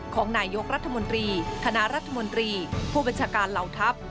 ของนายยกรัฐมนตรีคณะรัฐมนตรีผู้บัญชาการเหล่าทัพ